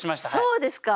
そうですか。